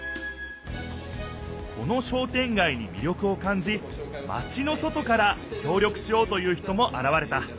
この商店街にみりょくをかんじマチの外からきょう力しようという人もあらわれた。